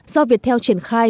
do viettel triển khai